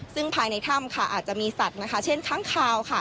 ซึ่งภายในถ้ำค่ะอาจจะมีสัตว์นะคะเช่นค้างคาว